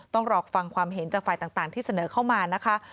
ต้องรอฟังความเห็นจากฝ่ายต่างที่เสนอเข้ามานะคะ